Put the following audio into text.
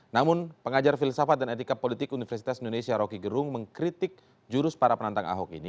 namun pengajar filsafat dan etika politik universitas indonesia rocky gerung mengkritik jurus para penantang ahok ini